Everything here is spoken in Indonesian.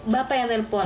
bapak yang telpon